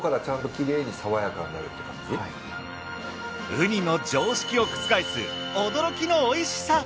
ウニの常識を覆す驚きのおいしさ。